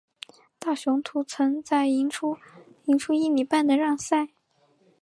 大雄图曾在赢出赢出一哩半的让赛。